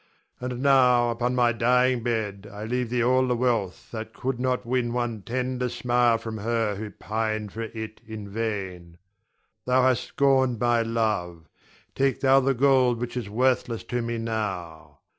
And now, upon my dying bed, I leave thee all the wealth that could not win one tender smile for her who pined for it in vain. Thou hast scorned my love, take thou the gold which is worthless to me now.